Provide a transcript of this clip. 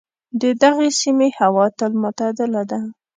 د دغې سیمې هوا تل معتدله ده.